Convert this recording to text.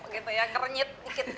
gitu ya kerenyit